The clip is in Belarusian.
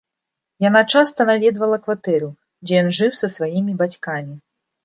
Яна часта наведвала кватэру, дзе ён жыў са сваімі бацькамі.